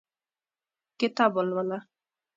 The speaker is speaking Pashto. کتاب ولوله !